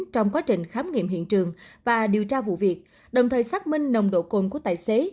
trong quá trình khám nghiệm hiện trường và điều tra vụ việc đồng thời xác minh nồng độ cồn của tài xế